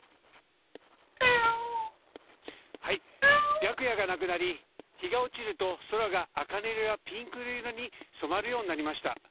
白夜がなくなり日が落ちると空があかね色やピンク色に染まるようになりました。